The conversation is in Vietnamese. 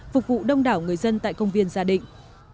phục vụ đông đảo người dân tại công viên gia định